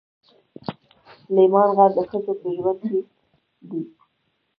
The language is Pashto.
سلیمان غر د ښځو په ژوند کې دي.